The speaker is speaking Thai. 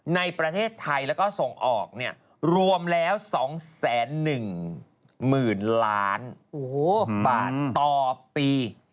ในประเทศไทยแล้วก็ส่งออกรวมแล้ว๒๑๐๐๐ล้านบาทต่อปี